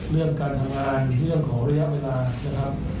เรื่องการทำงานเรื่องของระยะเวลานะครับ